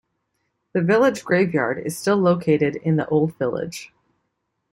The village graveyard is still located in the old village.